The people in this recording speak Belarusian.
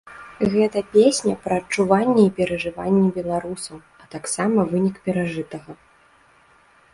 Гэта песня пра адчуванні і перажыванні беларусаў, а таксама вынік перажытага.